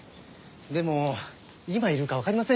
でも今いるかわかりませんよ？